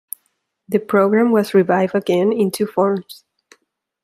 The programme was revived again in two forms.